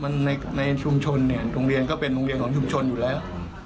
มันในชุมชนเนี่ยโรงเรียนก็เป็นโรงเรียนของชุมชนอยู่แล้ว